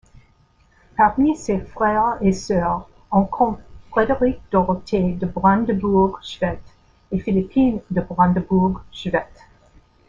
Parmi ses frères et soeurs, on compte Frédérique-Dorothée de Brandebourg-Schwedt et Philippine de Brandebourg-Schwedt.